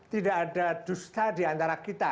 tidak ada dusta diantara kita